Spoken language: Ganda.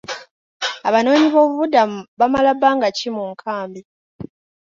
Abanoonyi b'obubudamu bamala bbanga ki mu nkambi ?